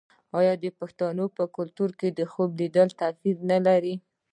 آیا د پښتنو په کلتور کې خوب لیدل تعبیر نلري؟